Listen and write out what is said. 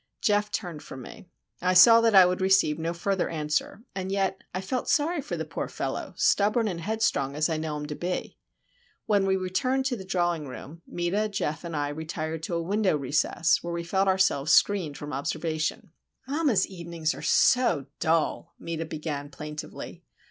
Geof turned from me. I saw that I would receive no further answer; and yet I felt sorry for the poor fellow, stubborn and headstrong as I know him to be. When we returned to the drawing room, Meta, Geof, and I retired to a window recess, where we felt ourselves screened from observation. "Mamma's evenings are so dull," Meta began, plaintively.